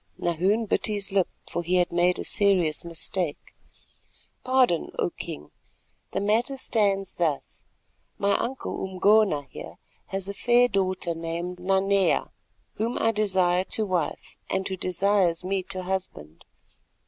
Nahoon bit his lip, for he had made a serious mistake. "Pardon, O King. The matter stands thus: My uncle Umgona here has a fair daughter named Nanea, whom I desire to wife, and who desires me to husband.